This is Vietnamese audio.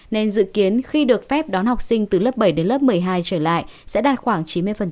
nên dự kiến khi được phép đón học sinh từ lớp bảy đến lớp một mươi hai trở lại sẽ đạt khoảng chín mươi